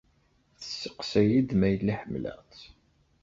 Tesseqsa-iyi-d ma yella ḥemmleɣ-tt.